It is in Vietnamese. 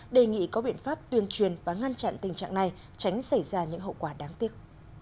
đề nghị có biện pháp tuyên truyền và ngăn chặn tình trạng này tránh xảy ra những hậu quả đáng tiếc